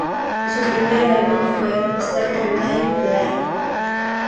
Su primer álbum fue "Stars on Long Play".